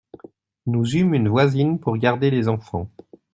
Nous eûmes une voisine pour garder les enfants.